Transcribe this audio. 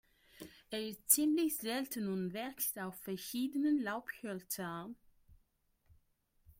Er ist ziemlich selten und wächst auf verschiedenen Laubhölzern.